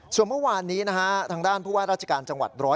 ส่วนเมื่อวานนี้นะฮะทางด้านผู้ว่าราชการจังหวัด๑๐